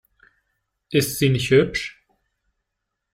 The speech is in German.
Ist sie nicht hübsch?